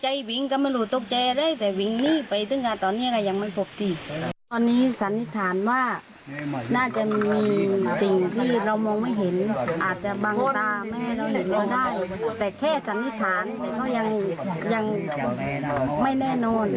สิ่งศักดิ์สิทธิ์เจ้าที่เจ้าทางเจ้าป่าเจ้าเขาอะไรอย่างนี้นะ